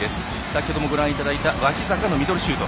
先程もご覧いただいた脇坂のミドルシュート。